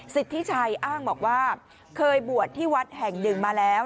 สิทธิชัยอ้างบอกว่าเคยบวชที่วัดแห่งหนึ่งมาแล้ว